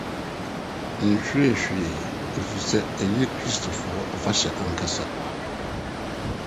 Menhweree hwee efisɛ ɛnyɛ Kristofo afahyɛ ankasa.